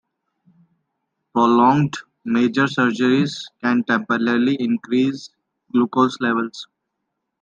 Prolonged, major surgeries can temporarily increase glucose levels.